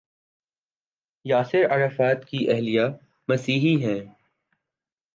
Yasir Arafat کی اہلیہ مسیحی ہیں۔